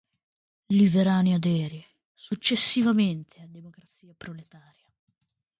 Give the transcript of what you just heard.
Liverani aderì successivamente a Democrazia Proletaria.